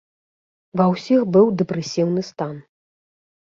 Ва ўсіх быў дэпрэсіўны стан.